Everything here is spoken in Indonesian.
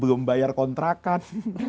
belum bayar kontrakan